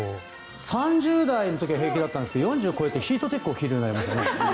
３０代の時は平気だったんですが４０を超えてヒートテックを着るようになりましたね。